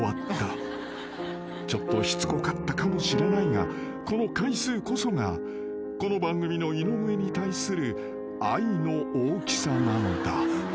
［ちょっとしつこかったかもしれないがこの回数こそがこの番組の井上に対する愛の大きさなのだ］